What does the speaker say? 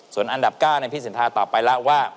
ส่วนอันดับ๙พี่สินทาตอบไปแล้วว่า